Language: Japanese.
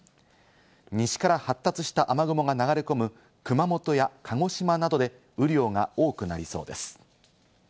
西から発達した雨雲が流れ込む熊本や鹿児島などで雨量が多くなりそうです。